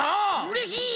うれしい！